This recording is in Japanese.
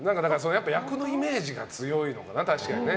やっぱり役のイメージが強いのかな、確かにね。